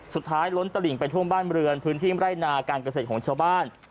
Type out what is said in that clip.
สุดท้ายล้นตะหลิ่งไปช่วงบ้านเมืองพื้นที่ไล่หนาการเกษตรของชาวบ้าน